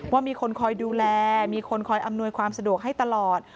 ว่ามีคนคอยดูแลมีคนคอยอำนวยความสะดวกให้ตลอด